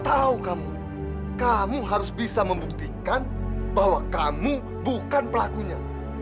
aku akan buktikan kalau aku bukan pelakunya